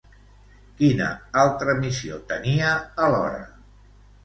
Quina altra missió tenia, alhora?